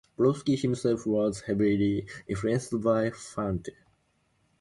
Bukowski himself was heavily influenced by Fante.